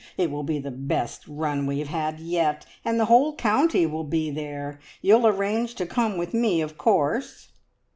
It will be the best run we have had yet, and the whole county will be there. You'll arrange to come with me, of course."